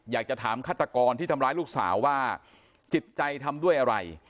อยากจะถามฆาตกรที่ทำร้ายลูกสาวว่าจิตใจทำด้วยอะไร